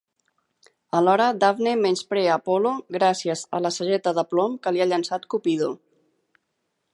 Alhora, Dafne menysprea Apol·lo gràcies a la sageta de plom que li ha llançat Cupido.